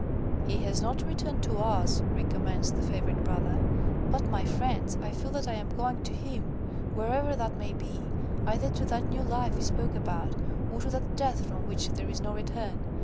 "He has not returned to us," recommenced the favourite brother. "But, my friends, I feel that I am going to him, wherever that may be, either to that new life he spoke about, or to that death from which there is no return.